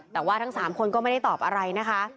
แต่ว่าทั้ง๓คนก็ไม่ได้ตอบอะไรนะคะ